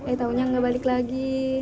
eh taunya nggak balik lagi